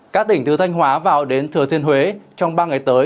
các tỉnh từ thanh hóa vào đến thừa thiên huế trong ba ngày tới